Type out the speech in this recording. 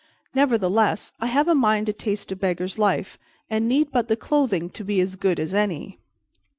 Nevertheless, I have a mind to taste a beggar's life, and need but the clothing to be as good as any."